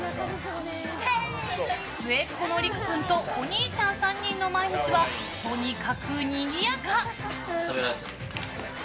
末っ子の陸君とお兄ちゃん３人の毎日はとにかくにぎやか。